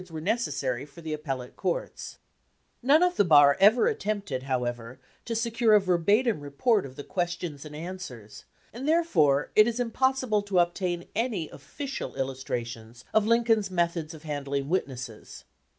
221 LINCOLN THE LAWYER None of the bar ever attempted, however, to secure a verbatim report of the questions and an swers, and therefore it is impossible to obtain any official illustrations of Lincoln's methods of handling witnesses.